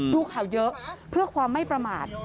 ดูข่าวเยอะเพื่อความไม่ประมาท